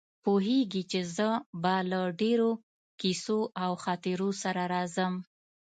پوهېږي چې زه به له ډېرو کیسو او خاطرو سره راځم.